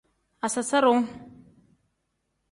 Asasarawu.